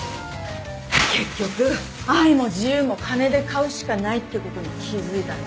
結局愛も自由も金で買うしかないってことに気付いたね。